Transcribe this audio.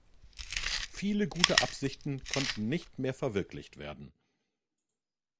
Viele gute Absichten konnten nicht mehr verwirklicht werden.